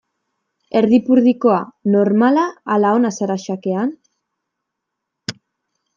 Erdipurdikoa, normala ala ona zara xakean?